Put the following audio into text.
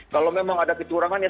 kalau memang ada kecurangannya